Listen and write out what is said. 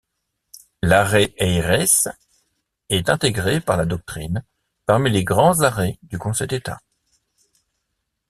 L'arrêt Heyriès est intégré par la doctrine parmi les Grands arrêts du Conseil d'État.